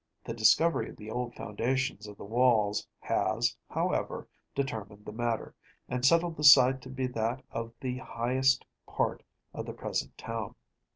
The discovery of the old foundations of the walls has, however, determined the matter, and settled the site to be that of the highest part of the present town.